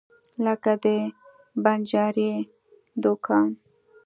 لکه د بنجاري دکان.